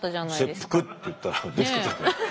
切腹って言ったら出てった。